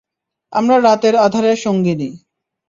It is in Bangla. আমরা রাতের আঁধারের সঙ্গিনী।